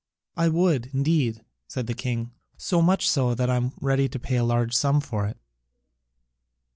"I would, indeed," said the king, "so much so that I am ready to pay a large sum for it.